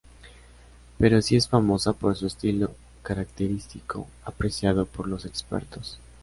Pero sí es famosa por su estilo característico, apreciado por los expertos.